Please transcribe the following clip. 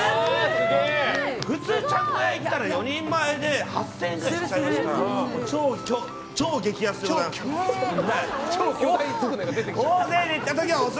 普通ちゃんこ屋行ったら４人前で８０００円くらいしますから超激安でございます。